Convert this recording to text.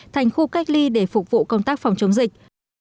thành khu cách ly để phục vụ công tác phòng chống dịch